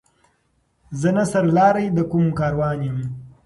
زه نه سر لاری د کوم کاروان یم